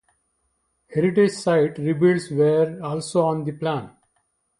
Heritage site rebuilds were also on the plan.